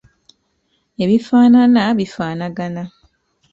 Ebifaanana bifaanagana.